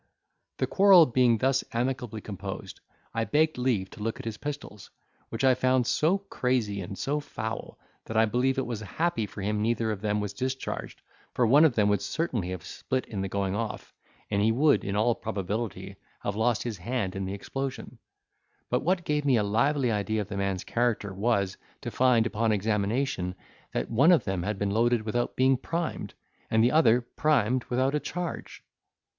The quarrel being thus amicably composed, I begged leave to look at his pistols, which I found so crazy and so foul, that I believe it was happy for him neither of them was discharged, for one of them would certainly have split in the going off, and he would, in all probability, have lost his hand in the explosion; but what gave me a lively idea of the man's character was, to find, upon examination, that one of them had been loaded without being primed, and the other primed without a charge.